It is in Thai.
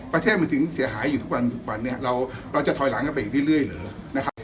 ประเทศมันถึงเสียหายอยู่ทุกวันทุกวันเนี่ยเราจะถอยหลังกันไปอีกเรื่อยเหรอนะครับ